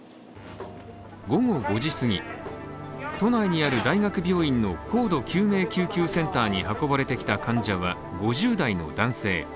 午後５時すぎ、都内にある大学病院の高度救命救急センターに運ばれてきた患者は、５０代の男性。